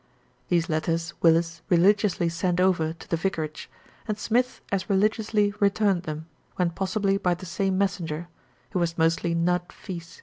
These letters Willis religiously sent over to the vicarage, and Smith as religiously returned them, when possible by the same messenger, who was mostly Nudd fits.